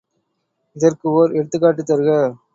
இதற்கு ஒர் எடுத்துக்காட்டு தருக.